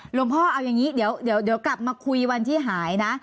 พ่อเอาอย่างนี้เดี๋ยวกลับมาคุยวันที่หายนะ